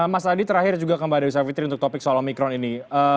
mas adi terakhir juga ke mbak dewi savitri untuk topik soal omikron ini